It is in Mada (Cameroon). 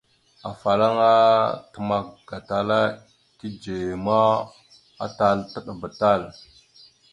Afalaŋa təmak gatala tidzeya ma, atal taɗəba tal.